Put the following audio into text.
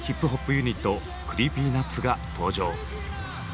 ユニットＣｒｅｅｐｙＮｕｔｓが登場。